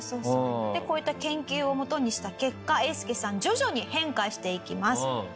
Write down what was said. こういった研究をもとにした結果えーすけさん徐々に変化していきます。